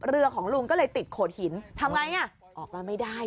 ของลุงก็เลยติดโขดหินทำไงอ่ะออกมาไม่ได้